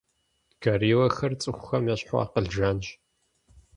Гориллэхэр цӏыхухэм ещхьу акъыл жанщ.